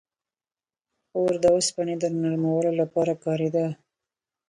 • اور د اوسپنې د نرمولو لپاره کارېده.